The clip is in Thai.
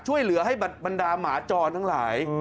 ช่วยเหลือให้บรรดาหมาจรทั้งหลาย